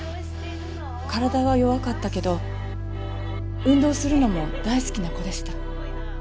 体は弱かったけど運動するのも大好きな子でした。